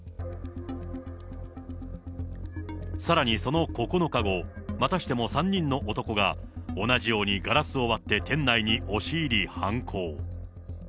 さらに、その９日後、またしても３人の男が、同じようにガラスを割って店内に押し入り、犯行。